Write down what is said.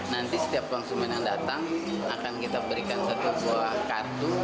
nanti setiap konsumen yang datang akan kita berikan satu buah kartu